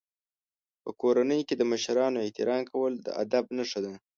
په کورنۍ کې د مشرانو احترام کول د ادب نښه ده.